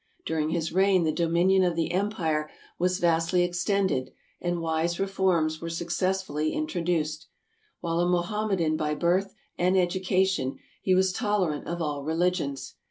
During his reign the do minion of the empire was vastly extended, and wise reforms were successfully introduced. While a Mohammedan by birth and education, he was tolerant of all religions.